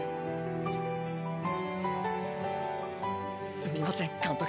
すみません監督。